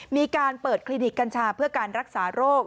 มีการเปิดคลินิกกัญชาเพื่อการรักษาโรค